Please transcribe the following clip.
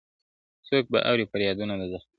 څوك به اوري فريادونه د زخميانو!!